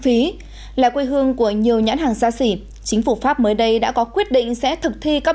phí là quê hương của nhiều nhãn hàng xa xỉ chính phủ pháp mới đây đã có quyết định sẽ thực thi các